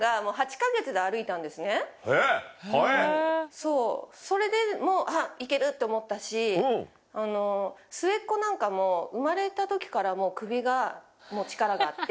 そうそれでもうあっ行けると思ったし末っ子なんかも生まれた時からもう首が力があって。